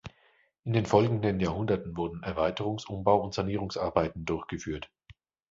In den folgenden Jahrhunderten wurden Erweiterungs-, Umbau- und Sanierungsarbeiten durchgeführt.